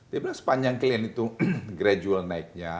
dia bilang sepanjang kalian itu gradual naiknya